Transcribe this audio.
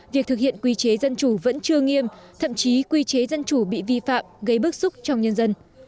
việc thực hiện quy chế dân chủ vẫn chưa nghiêm thậm chí quy chế dân chủ bị vi phạm gây bức xúc trong nhân dân